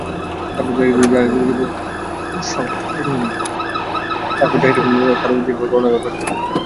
তারপর যাহির, তার উযীরবর্গ ও অন্যান্য প্রশাসক তার প্রতি আনুগত্য প্রকাশ করেন।